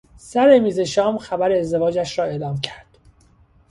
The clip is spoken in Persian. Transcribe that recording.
سر میز شام خبر ازدواجش را اعلام کرد.